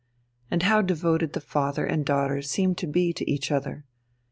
And how devoted father and daughter seemed to be to each other!